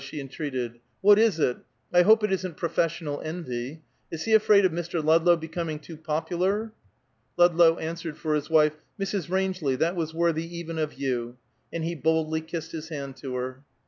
she entreated. "What is it? I hope it isn't professional envy! Is he afraid of Mr. Ludlow becoming too popular?" Ludlow answered for his wife, "Mrs. Rangeley, that was worthy even of you," and he boldly kissed his hand to her.